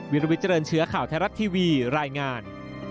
วิลวิเจริญเชื้อข่าวไทยรัฐทีวีรายงาน